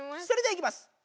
それではいきます！